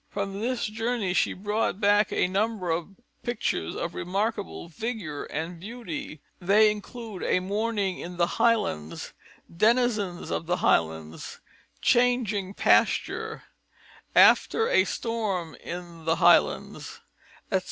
From this journey she brought back a number of pictures of remarkable vigour and beauty. They include a Morning in the Highlands, Denizens of the Highlands, Changing Pasture, After a Storm in the Highlands, etc.